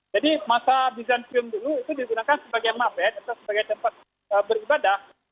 jadi masa bizantium dulu itu digunakan sebagai mabed atau sebagai tempat beribadah